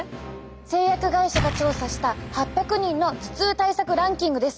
製薬会社が調査した８００人の頭痛対策ランキングです。